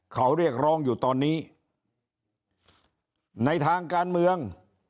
เขาเรียกร้องอยู่ตอนนี้ในทางการเมือง